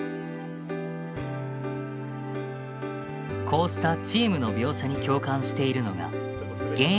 こうしたチームの描写に共感しているのが現役の選手たちだ。